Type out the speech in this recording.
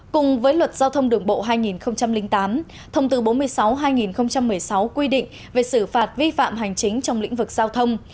cùng với luật giao thông đường bộ hai nghìn tám thông tư bốn mươi sáu hai nghìn một mươi sáu quy định về xử phạt vi phạm hành chính trong lĩnh vực giao thông